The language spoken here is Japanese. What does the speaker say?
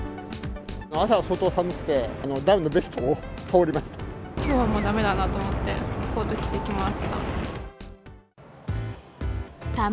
朝は相当寒くて、ダウンのベストを羽織りました。